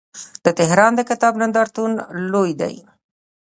د تهران د کتاب نندارتون لوی دی.